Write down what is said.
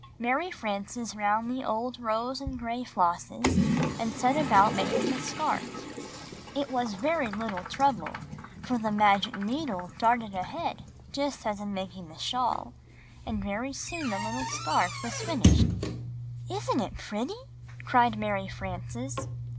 Mary Frances lound the old rose and gray flosses, and set about making the scarf. It was very little trouble, for the magic needle darted ahead just as in making the shawl, and very soon the little scarf was finished. i ''Isn't it pretty?" cried Mary Frances.